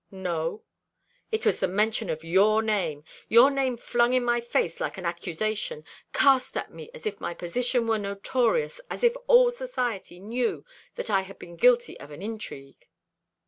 "No." "It was the mention of your name your name flung in my face like an accusation cast at me as if my position were notorious as if all society knew that I had been guilty of an intrigue."